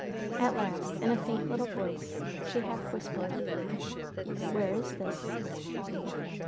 At last, in a faint little voice, she half whispered, "Where is this?"